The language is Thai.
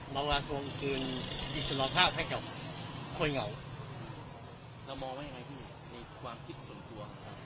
เรามาตรงคืนอิสรภาพแค่กับคนเหงาแล้วมองไว้ยังไงครับในความคิดส่วนตัว